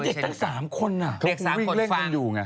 แหละไม่เด็กทั้ง๓คนนะเค้ากุ้งวิ่งเร่งพันอยู่ไง